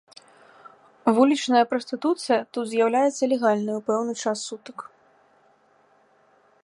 Вулічная прастытуцыя тут з'яўляецца легальнай ў пэўны час сутак.